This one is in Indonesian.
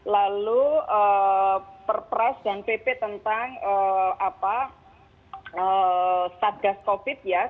lalu perpres dan pp tentang satgas covid ya